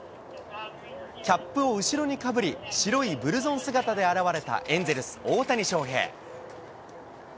キャップを後ろにかぶり、白いブルゾン姿で現れた、エンゼルス、大谷翔平。